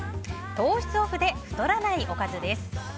糖質オフで太らないおかずです。